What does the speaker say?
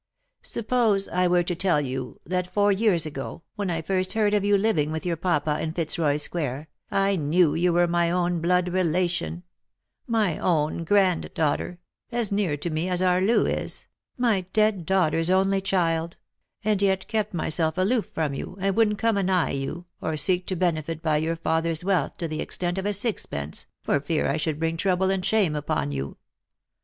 Suppose I were to tell you that four years ago, when I first heard of you living with your papa in Fitzroy square, I knew you were my own blood relation — my own granddaughter — as near to me as our Loo is — my dead daughter's only child — and yet kept myself aloof from you, and wouldn't come anigh you, or seek to benefit by your father's wealth to the extent of a sixpence, for fear I should bring trouble and shame upon you.